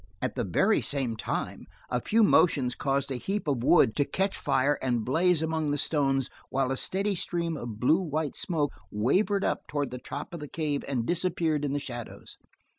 At the very same time, a few motions caused a heap of wood to catch fire and blaze among the stones while a steady stream of blue white smoke wavered up toward the top of the cave and disappeared in the shadows.